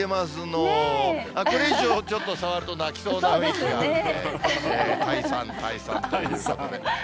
これ以上ちょっと触ると泣きそうな雰囲気があるので、退散、退散ということで。